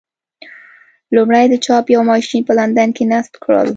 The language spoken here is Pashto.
لومړی د چاپ یو ماشین په لندن کې نصب کړل.